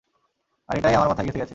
আর এটাই আমার মাথায় গেঁথে গেছে।